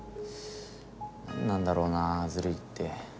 何なんだろうなずるいって。